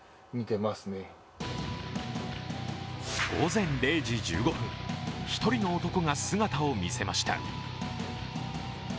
午前０時１５分、１人の男が姿を見せました。